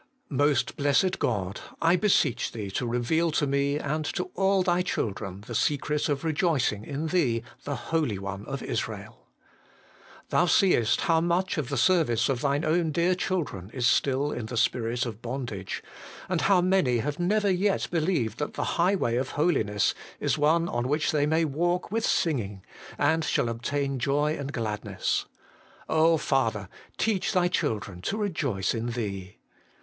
Most Blessed God ! I beseech JChee to reveal to me and to all Thy children the secret of rejoicing in Thee, the Holy One of Israel. Thou seest how much of the service of Thine own dear children is still in the spirit of bondage, and how many have never yet believed that the Highway of Holiness is one on which they may walk with singing, and shall obtain joy and gladness. Father ! teach Thy children to rejoice in Thee.